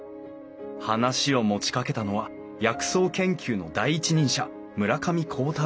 話を持ちかけたのは薬草研究の第一人者村上光太郎教授。